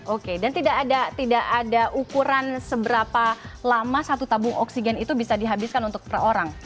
oke dan tidak ada ukuran seberapa lama satu tabung oksigen itu bisa dihabiskan untuk per orang